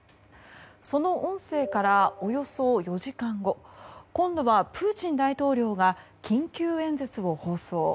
その音声から、およそ４時間後今度は、プーチン大統領が緊急演説を放送。